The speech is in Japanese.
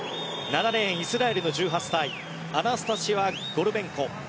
７レーン、イスラエルの１８歳アナスタシア・ゴルベンコ。